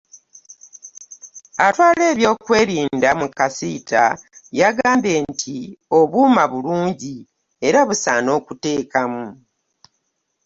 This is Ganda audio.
Atwala ebyokwerinda mu kacita, yagambye nti obuuma bulungi era busaana okuteekamu.